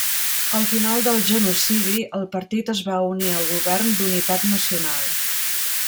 Al final del genocidi el partit es va unir al govern d'unitat nacional.